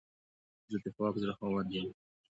زه د پاک زړه خاوند یم.